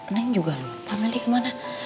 neng juga lupa meli kemana